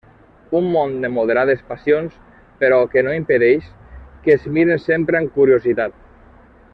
Un món de moderades passions, però que no impedeix que es miren sempre amb curiositat.